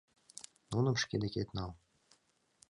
Нуным шке декет нал.